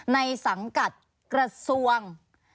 ในสังกัดกระทรวง